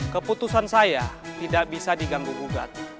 keputusan saya tidak bisa diganggu gugat